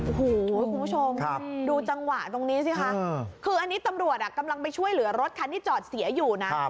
โอ้โหคุณผู้ชมดูจังหวะตรงนี้สิคะคืออันนี้ตำรวจกำลังไปช่วยเหลือรถคันที่จอดเสียอยู่นะ